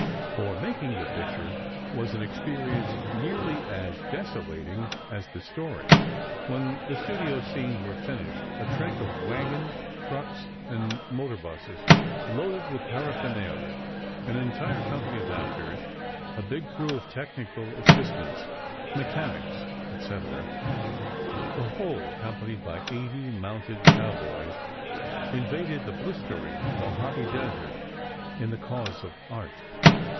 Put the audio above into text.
For making the picture was an experience nearly as desolating as the story. When the studio scenes were finished, a trek of wagons, trucks and motor busses, loaded with paraphernalia, an entire company of actors, a big crew of technical assistants, mechanics, etc., the whole accompanied by eighty mounted cowboys, invaded the blistering Mojave Desert, in the cause of art.